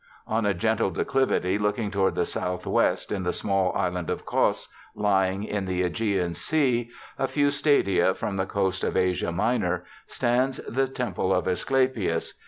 On a gentle declivity, looking toward the south west, in the small island of Cos, lying in the ^gean sea, a few stadia 154 BIOGRAPHICAL ESSAYS from the coast of Asia Minor, stands the temple of iEsculapius.